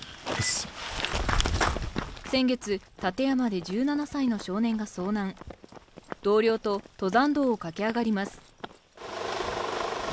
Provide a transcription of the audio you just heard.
先月、立山で１７歳の少年が遭難同僚と登山道を駆け上がります